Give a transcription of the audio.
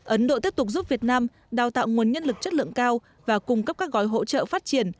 ấn độ tiếp tục giúp việt nam đào tạo nguồn nhân lực chất lượng cao và cung cấp các gói hỗ trợ phát triển